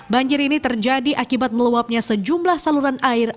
banjir ini terjadi akibat meluapnya sejumlah saluran air